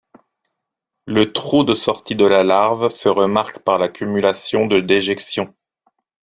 Le trou de sortie de la larve se remarque par l'accumulation de déjections.